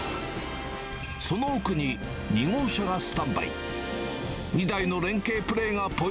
その奥に、２号車がスタンバイ。